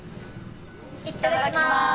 いただきます！